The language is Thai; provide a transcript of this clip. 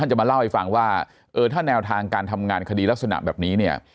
จะมาเล่าให้ฟังว่าเออถ้าแนวทางการทำงานคดีลักษณะแบบนี้เนี่ย